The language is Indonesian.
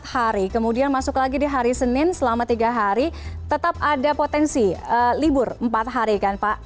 empat hari kemudian masuk lagi di hari senin selama tiga hari tetap ada potensi libur empat hari kan pak